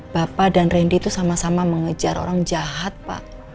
bapak dan randy itu sama sama mengejar orang jahat pak